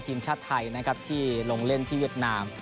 ทีมชาติไทยนะครับที่ลงเล่นที่เวียดนาม